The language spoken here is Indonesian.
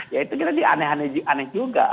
ya itu jadi aneh aneh juga